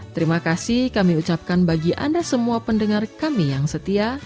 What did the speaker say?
terima kasih kami ucapkan bagi anda semua pendengar kami yang setia